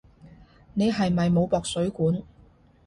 你係咪冇駁水管？